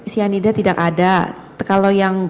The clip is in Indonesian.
cyanida tidak ada kalau yang